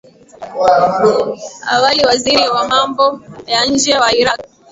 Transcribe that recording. Awali waziri wa mambo ya nje wa Iraq